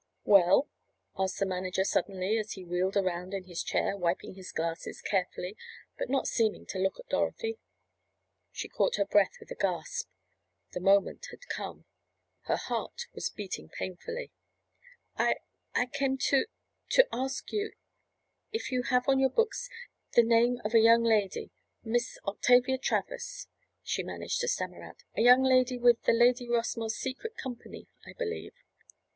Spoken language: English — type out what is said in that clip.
"Well?" asked the manager suddenly as he wheeled around in his chair, wiping his glasses carefully but not seeming to look at Dorothy. She caught her breath with a gasp. The moment had come. Her heart was beating painfully. "I—I came to—to ask if you—if you have on your books the name of a young lady—Miss Octavia Travers?" she managed to stammer out. "A young lady with the 'Lady Rossmore's Secret' company, I believe."